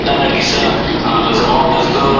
واکمن باید د خپلو مخکنیو شتمني په اوبو لاهو نه کړي.